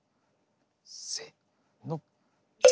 せの。